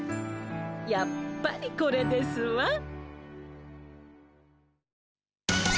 やっぱりこれですわ。